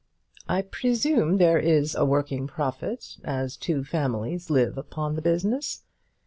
I presume there is a working profit, as two families live upon the business.